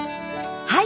はい！